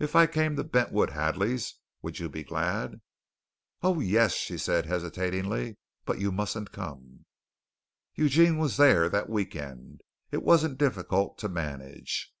"If I came to Bentwood Hadleys, would you be glad?" "Oh, yes," she said hesitatingly, "but you mustn't come." Eugene was there that week end. It wasn't difficult to manage.